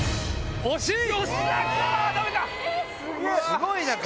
すごいな！